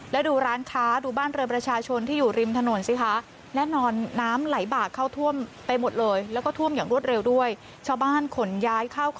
แล้วดูร้านค้าดูบ้านเรือนประชาชนที่อยู่ริมถนนสิคะ